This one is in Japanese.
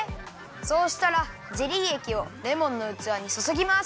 そうしたらゼリーえきをレモンのうつわにそそぎます。